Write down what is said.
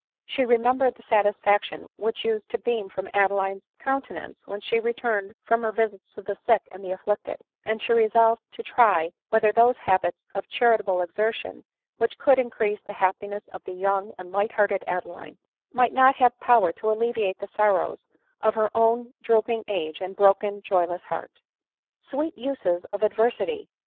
She remembered the satisfaction which used to beam from Adeline's Counte nance when she returned from her visits to the sick and the afflicted ; and she resolved to try whether those hab its of charitable exertion, which could increase the hap piness of the young and light hearted Adeline, might not have power to alleviate the sorrows of her own drooping age, and broken, joyless heart. " Sweet are the uses of adversity